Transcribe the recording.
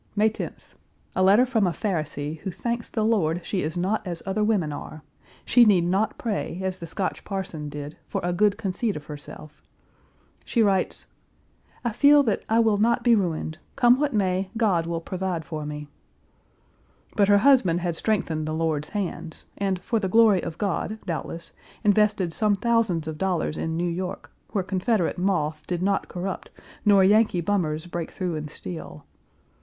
May 10th. A letter from a Pharisee who thanks the Lord she is not as other women are; she need not pray, as the Scotch parson did, for a good conceit of herself. She writes, "I feel that I will not be ruined. Come what may, God will provide for me." But her husband had strengthened the Lord's hands, and for the glory of God, doubtless, invested some thousands of dollars in New York, where Confederate moth did not corrupt nor Yankee bummers break through and steal.